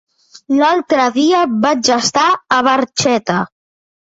L'altre dia vaig estar a Barxeta.